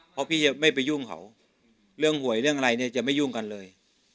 เพราะพี่จะไม่ไปยุ่งเขาเรื่องหวยเรื่องอะไรเนี่ยจะไม่ยุ่งกันเลย